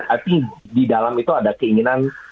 i think di dalam itu ada keinginan